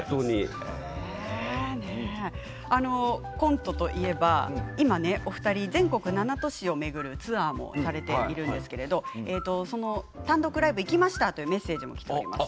コントといえば今、お二人全国７都市を巡るツアーをされているんですけれど単独ライブ行きましたというメッセージもきています。